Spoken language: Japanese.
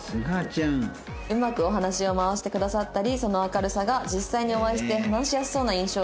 「うまくお話を回してくださったりその明るさが実際にお会いして話しやすそうな印象を受けました」